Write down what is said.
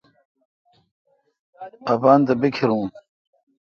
اپان تھ بیکھر رون۔